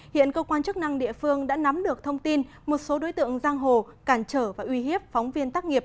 hiện cơ quan chức năng địa phương đã nắm được thông tin một số đối tượng giang hồ cản trở và uy hiếp phóng viên tác nghiệp